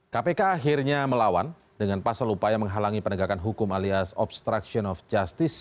kpk akhirnya melawan dengan pasal upaya menghalangi penegakan hukum alias obstruction of justice